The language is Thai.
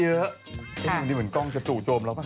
รู้สึกว่าเกลียดกล้องจะตั่วโจมแล้วปะ